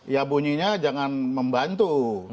ya bunyinya jangan membantu